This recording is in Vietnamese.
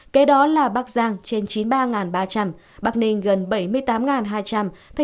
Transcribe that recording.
kế đó là bắc giang trên chín mươi ba ba trăm linh bắc ninh gần bảy mươi tám hai trăm linh